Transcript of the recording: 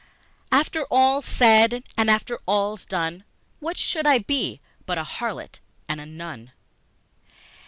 After all's said and after all's done, What should I be but a harlot and a nun?